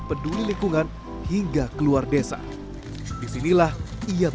pembelajaran pengumuman itu akan menjadi pilihan utama